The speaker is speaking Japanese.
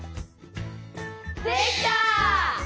できた！